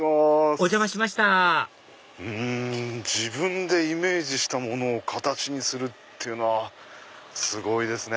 お邪魔しました自分でイメージしたものを形にするっていうのはすごいですね。